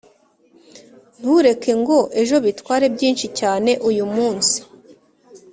ntureke ngo ejo bitware byinshi cyane uyumunsi.